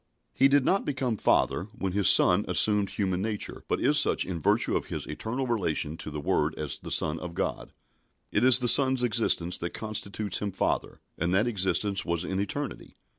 He did not become Father when His Son assumed human nature, but is such in virtue of His eternal relation to the Word as the Son of God. It is the Son's existence that constitutes Him Father; and that existence was in eternity.